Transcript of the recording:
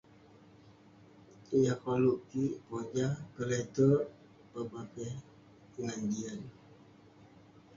Yah koluk kik, pojah, keleterk, pebakeh ngan jian.